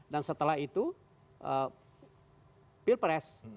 dan setelah itu pilpres